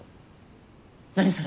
何それ？